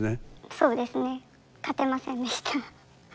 そうですね勝てませんでした。